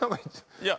いや。